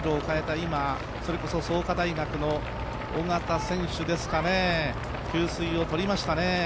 今、それこそ創価大学の緒方選手ですかね、給水をとりましたね。